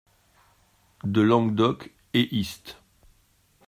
de Languedoc et Hist.